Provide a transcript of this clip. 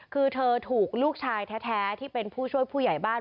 คือเธอถูกลูกชายแท้ที่เป็นผู้ช่วยผู้ใหญ่บ้าน